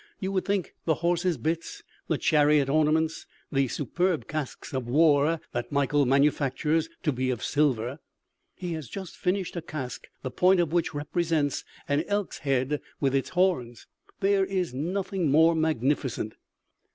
You would think the horse's bits, the chariot ornaments, the superb casques of war that Mikael manufactures to be of silver! He has just finished a casque the point of which represents an elk's head with its horns.... There is nothing more magnificent!"